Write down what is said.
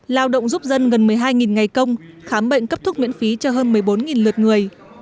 lao động giúp dân gần một mươi hai ngày công khám bệnh cấp thuốc miễn phí cho hơn một mươi bốn lượt người